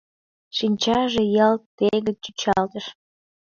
Шинчаже ялт тегыт чӱчалтыш.